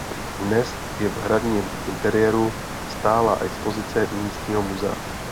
Dnes je v hradním interiéru stálá expozice místního muzea.